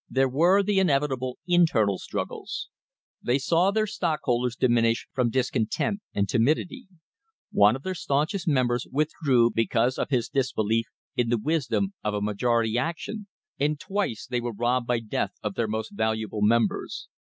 There were the inevitable internal struggles. They saw their stockholders diminish from discontent and timidity. One of their staunchest members withdrew because of his disbelief in the wisdom of a majority action, and twice they were robbed by death of their most valued members.